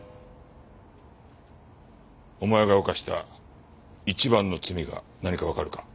お前が犯した一番の罪が何かわかるか？